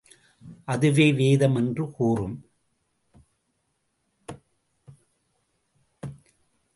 அதுவே வேதம் என்று கூறும்.